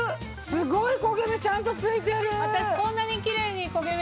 すごい焦げ目ちゃんとついてる！